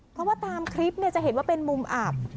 เพราะว่าตามคลิปจะเห็นว่าเป็นมุมอับ